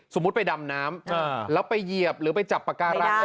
สมมุติไปดำน้ำแล้วไปเหยียบหรือไปจับปากการัง